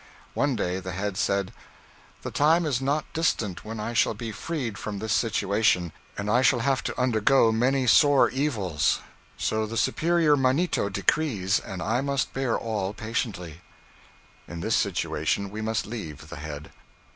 One day the head said: 'The time is not distant when I shall be freed from this situation, and I shall have to undergo many sore evils. So the superior manito decrees, and I must bear all patiently.' In this situation we must leave the head.